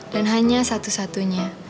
dan hanya satu satunya